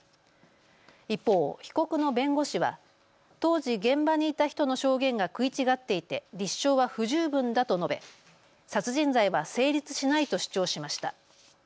一方、被告の弁護士は当時、現場にいた人の証言が食い違っていて立証は不十分だと述べ殺人罪は成立しないと主張しました。